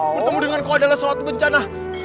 bertemu dengan kau adalah suatu bencana